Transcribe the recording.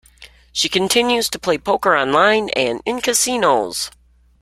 She continues to play poker online and in casinos.